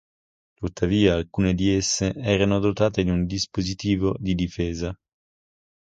Tuttavia alcune di esse erano dotate di un dispositivo di difesa.